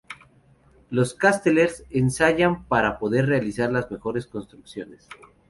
Los "castellers" ensayan para poder realizar las mejores construcciones.